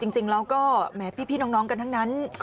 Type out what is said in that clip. จริงแล้วก็แหมพี่น้องกันทั้งนั้น